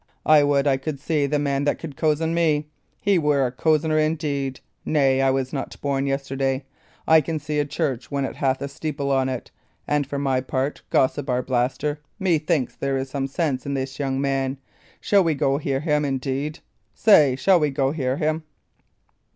"I would I could see the man that could cozen me! He were a cozener indeed! Nay, I was not born yesterday. I can see a church when it hath a steeple on it; and for my part, gossip Arblaster, methinks there is some sense in this young man. Shall we go hear him, indeed? Say, shall we go hear him?"